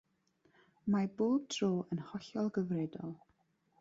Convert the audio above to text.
Mae bob tro yn hollol gyfredol.